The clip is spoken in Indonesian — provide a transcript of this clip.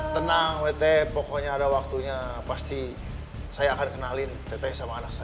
tenang wt pokoknya ada waktunya pasti saya akan kenalin teteh sama anak saya